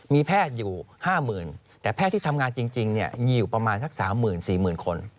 มีแพทย์อยู่๕๐๐๐แต่แพทย์ที่ทำงานจริงมีอยู่ประมาณสัก๓๔๐๐๐คน